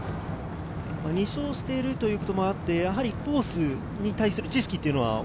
２勝しているということもあってコースに対する知識というのは。